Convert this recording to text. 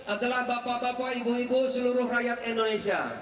adalah bapak bapak ibu ibu seluruh rakyat indonesia